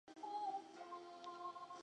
我以为要出站再进站